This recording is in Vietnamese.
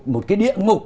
một cái địa ngục